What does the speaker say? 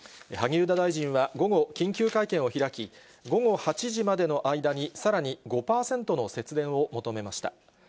萩生田大臣は午後、緊急会見を開き、午後８時までの間に、さらに５％の節電を求めました。